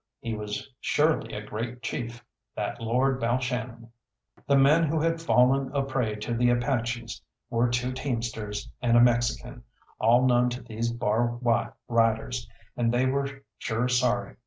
He was surely a great chief, that Lord Balshannon. The men who had fallen a prey to the Apaches were two teamsters and a Mexican, all known to these Bar Y riders, and they were sure sorry.